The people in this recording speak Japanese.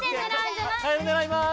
カエルねらいます。